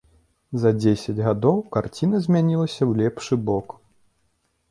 За дзесяць гадоў карціна змянілася ў лепшы бок.